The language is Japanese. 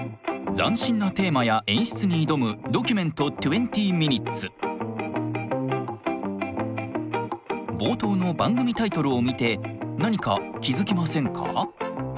斬新なテーマや演出に挑む「ドキュメント２０ｍｉｎ．」。冒頭の番組タイトルを見て何か気付きませんか？